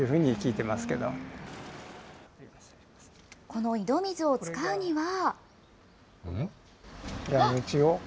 この井戸水を使うには。